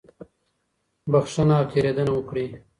بښنه او تېرېدنه وکړئ.